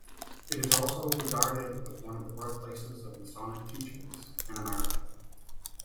It is also regarded as one of the birthplaces of Masonic teachings in America.